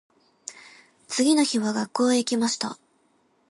次の日は学校へ行きました。